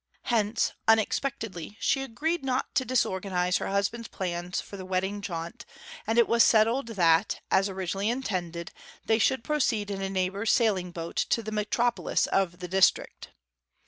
Hence, unexpectedly, she agreed not to disorganize her husband's plans for the wedding jaunt, and it was settled that, as originally intended, they should proceed in a neighbour's sailing boat to the metropolis of the district.